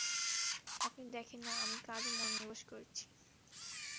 আপনি দেখেন না, আমি কাজে মনোনিবেশ করেছি।